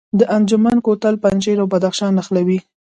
د انجمین کوتل پنجشیر او بدخشان نښلوي